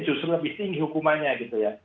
justru lebih tinggi hukumannya gitu ya